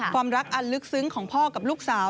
ความรักอันลึกซึ้งของพ่อกับลูกสาว